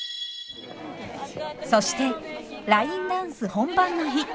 そしてラインダンス本番の日。